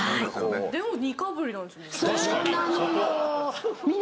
でも２かぶりなんですもんね。